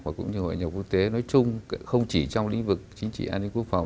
và cũng như hội nhập quốc tế nói chung không chỉ trong lĩnh vực chính trị an ninh quốc phòng